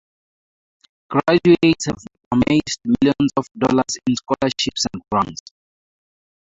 Graduates have amassed millions of dollars in scholarships and grants.